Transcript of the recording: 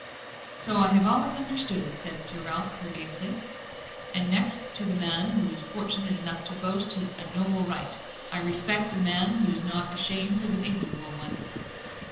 "So I have always understood," said Sir Ralph, courteously. "And next to the man who is fortunate enough to boast a noble origin, I respect the man who is not ashamed of an ignoble one."